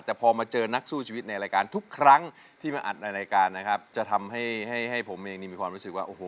แต่พอมาเจอนักสู้ชีวิตในรายการทุกครั้งที่มาอัดในรายการนะครับจะทำให้ให้ผมเองนี่มีความรู้สึกว่าโอ้โห